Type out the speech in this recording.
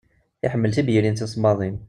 Iḥemmel tibyirin tisemmaḍin.